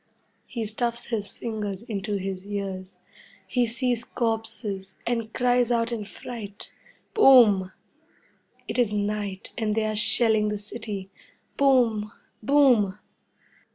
He stuffs his fingers into his ears. He sees corpses, and cries out in fright. Boom! It is night, and they are shelling the city! Boom! Boom!